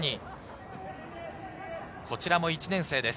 こちらも１年生です。